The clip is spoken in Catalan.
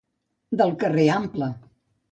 Del carrer ample.